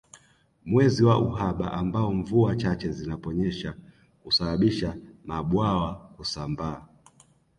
Mwezi wa uhaba ambao mvua chache zinaponyesha husababisha mabwawa kusambaa